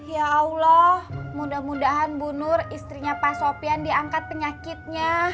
ya allah mudah mudahan bu nur istrinya pak sofian diangkat penyakitnya